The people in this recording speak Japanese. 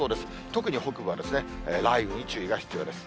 特に北部は、雷雨に注意が必要です。